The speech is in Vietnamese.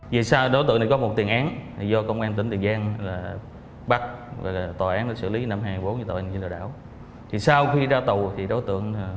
để đi lừa đảo